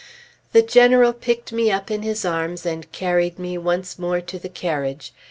The General picked me up in his arms and carried me once more to the carriage.